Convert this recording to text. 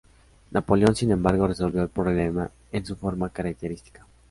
Napoleón, sin embargo, resolvió el problema en su forma característica.